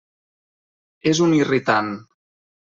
És un irritant.